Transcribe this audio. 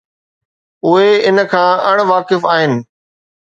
اهي ان کان اڻ واقف آهن.